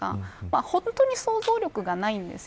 本当に、想像力がないんです。